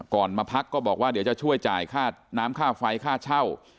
มาพักก็บอกว่าเดี๋ยวจะช่วยจ่ายค่าน้ำค่าไฟค่าเช่า